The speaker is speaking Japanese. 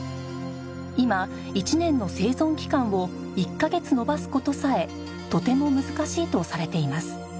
今１年の生存期間を１カ月延ばす事さえとても難しいとされています